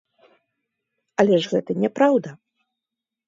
Але ж гэта няпраўда!